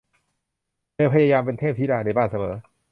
เธอพยายามเป็นเทพธิดาในบ้านเสมอ